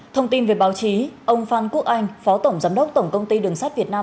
thông tin về báo chí ông phan quốc anh phó tổng giám đốc tổng công ty đường sắt việt nam